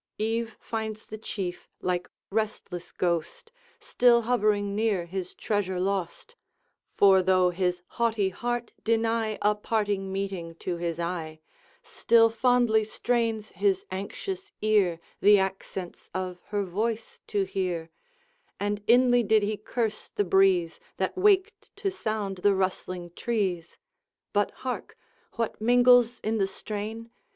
Eve finds the Chief, like restless ghost, Still hovering near his treasure lost; For though his haughty heart deny A parting meeting to his eye Still fondly strains his anxious ear The accents of her voice to hear, And inly did he curse the breeze That waked to sound the rustling trees. But hark! what mingles in the strain?